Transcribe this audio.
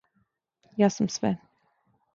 Ја сам све.